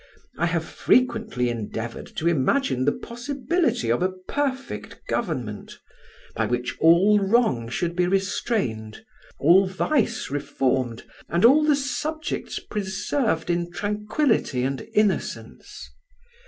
I have frequently endeavoured to imagine the possibility of a perfect government, by which all wrong should be restrained, all vice reformed, and all the subjects preserved in tranquillity and innocence.